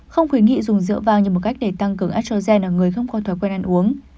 không khuyến nghị dùng rượu vang như một cách để tăng cường astrazen ở người không có thói quen ăn uống